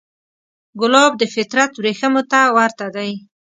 ګلاب د فطرت وریښمو ته ورته دی.